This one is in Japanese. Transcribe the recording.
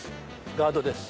ガードです。